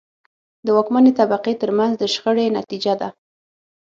د واکمنې طبقې ترمنځ د شخړې نتیجه ده.